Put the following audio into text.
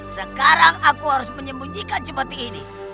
sekarang aku harus menyembunyikan seperti ini